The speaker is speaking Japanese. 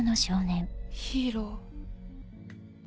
ヒーロー。